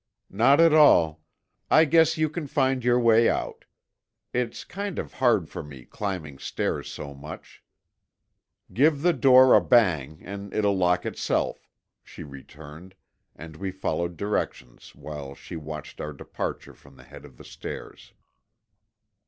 "Not at all. I guess you can find your way out. It's kind of hard for me, climbing stairs so much. Give the door a bang and it'll lock itself," she returned, and we followed directions while she watched our departure from the head of the stairs.